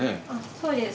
そうです。